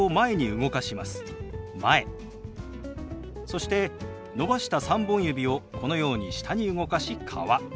そして伸ばした３本指をこのように下に動かし「川」。